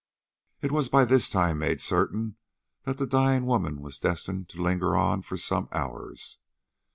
It was by this time made certain that the dying woman was destined to linger on for some hours.